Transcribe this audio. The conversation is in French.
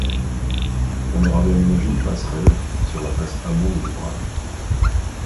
On leur avait aménagé une passerelle sur la face amont de l’ouvrage.